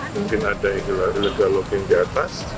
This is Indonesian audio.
mungkin ada galodo yang di atas